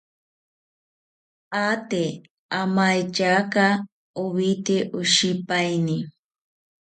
Aate amaetyaka owite oshipaeni